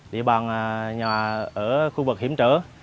địa bàn nhà ở khu vực hiểm trở